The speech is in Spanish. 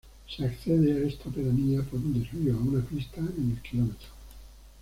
Se accede a esta pedanía por un desvío, a una pista, en el km.